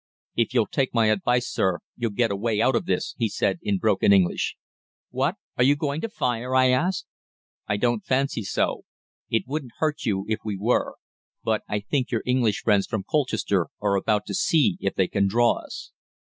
"'If you'll take my advice, sare, you'll get away out of this,' he said in broken English. "'What! are you going to fire?' I asked. "'I don't fancy so. It wouldn't hurt you if we were. But I think your English friends from Colchester are about to see if they can draw us.'